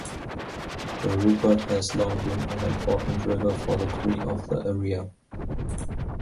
The Rupert has long been an important river for the Cree of the area.